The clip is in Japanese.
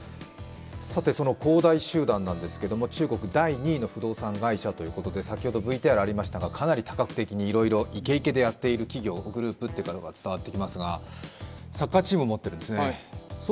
その恒大集団なんですが、中国第２位の不動産会社ということで先ほどＶＴＲありましたが、かなり多角的にいろいろ、イケイケでやっている企業、グループというのが伝わってきますがサッカーチームを持っているんですね。